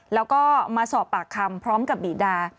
แล้วก็มาสอบปากคำพร้อมกับบีดา